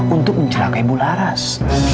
untuk mencelakai bu laras